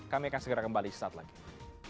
kami akan segera kembali setelah itu